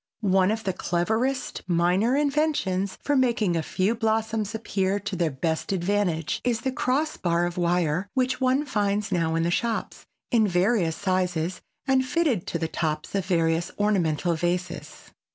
One of the cleverest minor inventions for making a few blossoms appear to their best advantage is the cross bar of wire which one finds now in the shops, in various sizes and fitted to the tops of various ornamental vases.